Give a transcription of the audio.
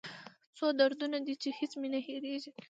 څو دردونه دي چې هېڅ مې نه هېریږي